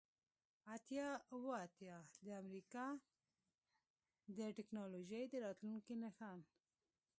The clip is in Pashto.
اتیا اوه اتیا د امریکا د ټیکنالوژۍ د راتلونکي نښان